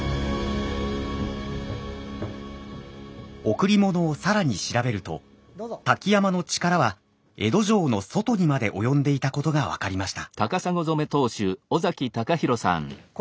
贈り物を更に調べると瀧山の力は江戸城の外にまで及んでいたことが分かりました。